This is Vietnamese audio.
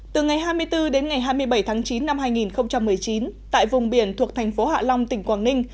từ ngày hai mươi bốn đến ngày hai mươi bảy tháng chín năm hai nghìn một mươi chín tại vùng biển thuộc thành phố hạ long tỉnh quảng ninh